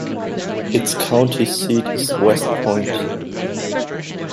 Its county seat is West Point.